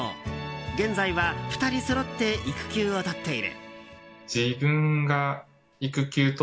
現在は２人そろって育休を取っている。